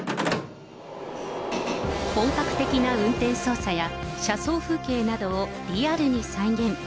本格的な運転操作や、車窓風景などをリアルに再現。